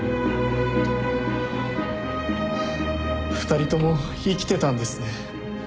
２人とも生きてたんですね。